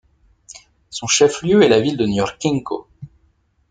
Son chef-lieu est la ville de Ñorquincó.